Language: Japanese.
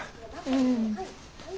うん。